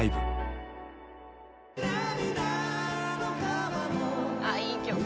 ああいい曲。